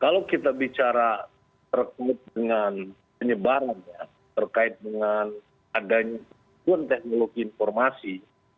kalau kita bicara terkait dengan penyebarannya terkait dengan adanya kekuan teknologi informasi